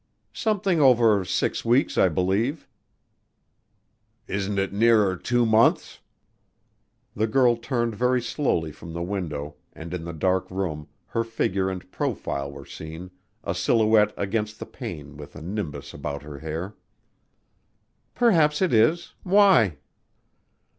"Something over six weeks, I believe." "Isn't it nearer two months?" The girl turned very slowly from the window and in the dark room her figure and profile were seen, a silhouette against the pane with a nimbus about her hair. "Perhaps it is. Why?"